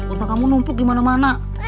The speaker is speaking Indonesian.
otak kamu numpuk di mana mana